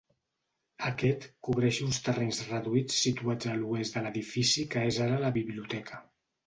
Aquest cobreix uns terrenys reduïts situats a l'oest de l'edifici que és ara la biblioteca.